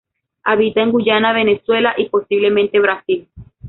Habita en Guyana, Venezuela, y posiblemente Brasil.